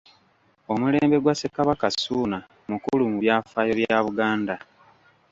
Omulembe gwa Ssekabaka Ssuuna mukulu mu byafaayo bya Buganda.